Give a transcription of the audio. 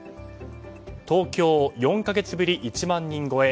東京４か月ぶり１万人超え。